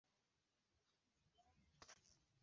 kera nari igihangange.